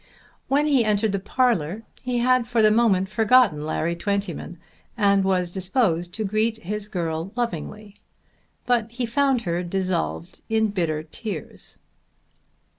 When he entered the parlour he had for the moment forgotten Larry Twentyman, and was disposed to greet his girl lovingly; but he found her dissolved in bitter tears.